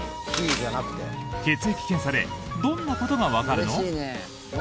血液検査でどんなことがわかるの？